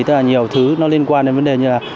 tức là nhiều thứ nó liên quan đến vấn đề như là